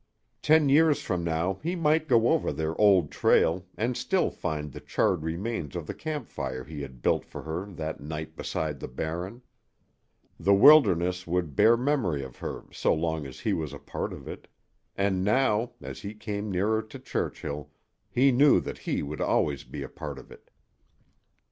Ten years from now he might go over their old trail and still find the charred remains of the campfire he had built for her that night beside the Barren. The wilderness would bear memory of her so long as he was a part of it; and now, as he came nearer to Churchill, he knew that he would always be a part of it.